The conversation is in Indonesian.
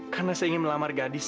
karena saya ingin melamar gadis